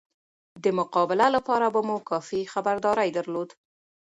د مقابله لپاره به مو کافي خبرداری درلود.